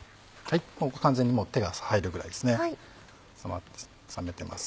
もう完全に手が入るぐらいですね冷めてます。